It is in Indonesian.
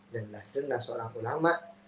dan lah dengar seorang ulama